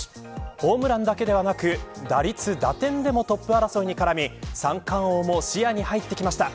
ホームランだけではなく打率打点でもトップ争いに絡み三冠王も視野に入ってきました。